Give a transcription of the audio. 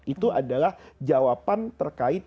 itu adalah jawaban terkait